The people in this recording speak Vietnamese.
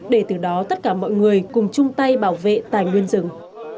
để từ đó tất cả mọi người cùng chung tay bảo vệ tài nguyên rừng